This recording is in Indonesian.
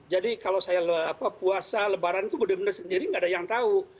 jadi kalau saya puasa lebaran itu benar benar sendiri nggak ada yang tahu